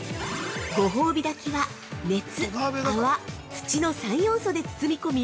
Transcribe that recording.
◆ご泡火炊きは熱・泡・土の３要素で包み込み